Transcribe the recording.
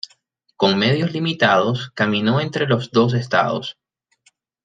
Con medios limitados, caminó entre los dos estados.